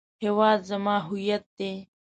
هیواد زما هویت دی